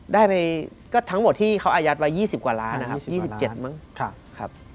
ได้ไปก็ทั้งหมดที่เขาอายัดไว้๒๐กว่าล้านนะครับ๒๗มั้งครับ